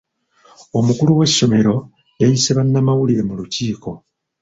Omukulu w'essomero yayise bannamawulire mu lukiiko.